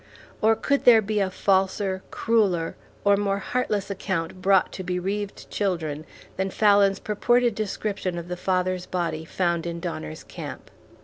Or could there be a falser, crueler, or more heartless account brought to bereaved children than Fallon's purported description of the father's body found in Donner's Camp?